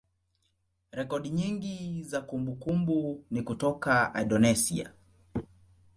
rekodi nyingi za kumbukumbu ni kutoka Indonesia.